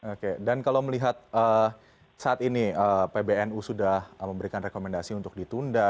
oke dan kalau melihat saat ini pbnu sudah memberikan rekomendasi untuk ditunda